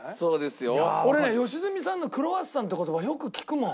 俺ね良純さんの「クロワッサン」って言葉よく聞くもん。